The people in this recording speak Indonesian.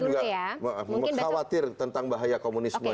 itu kita juga khawatir tentang bahaya komunisme